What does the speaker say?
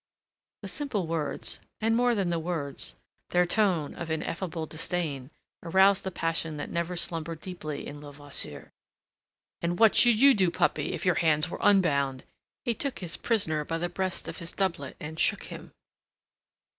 The simple words, and, more than the words, their tone of ineffable disdain, aroused the passion that never slumbered deeply in Levasseur. "And what should you do, puppy, if your hands were unbound?" He took his prisoner by the breast of his doublet and shook him.